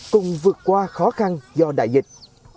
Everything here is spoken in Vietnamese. cùng vượt qua khó khăn do đại dịch